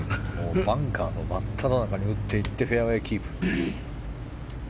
バンカーの真っただ中に打ってフェアウェーキープ。